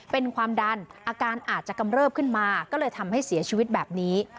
เป็นความดันอาการอาจจะกำเริบขึ้นมาก็เลยทำให้เสียชีวิตแบบนี้